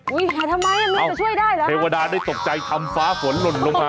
อุ๊ยแหทำไมแม้จะช่วยได้หรือคะอ้าวเทวดาได้ตกใจทำฟ้าฝนหล่นลงมา